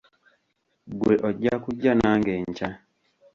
Gggwe ojja kujja nange enkya.